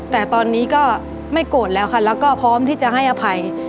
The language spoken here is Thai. แต่ตอนนี้ก็ไม่โกรธแล้วค่ะแล้วก็พร้อมที่จะให้อภัย